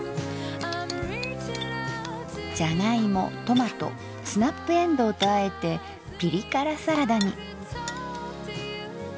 じゃがいもトマトスナップエンドウとあえてピリ辛サラダに。